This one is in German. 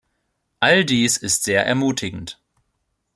All dies ist sehr ermutigend.